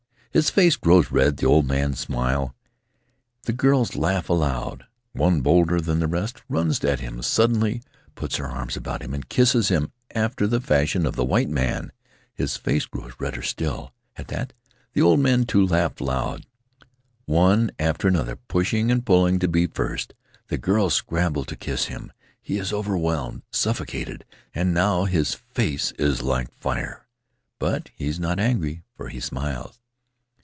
His face grows red; the old men smile; the girls laugh aloud. One, bolder than the rest, runs at him sud denly, puts her arms about him, and kisses him after the fashion of the white man. His face grows redder still; at that, the old men, too, laugh aloud. One after another, pushing and pulling to be first, the girls scramble to kiss him; he is overwhelmed, suffocated, and now his face is like fire, but he is not angry, for he smiles."